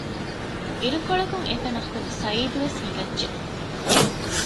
އިރުކޮޅަކުން އެތަނަށް ޚުދު ސަޢީދު ވެސް ހިނގައްޖެ